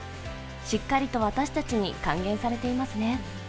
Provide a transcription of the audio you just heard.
しっかりと私たちに還元されていますね。